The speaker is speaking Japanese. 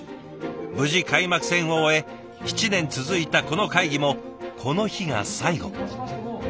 無事開幕戦を終え７年続いたこの会議もこの日が最後。